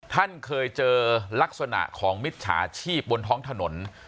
ท่านเคยเจอลักษณะของมิจฉาชีพบนท้องถนน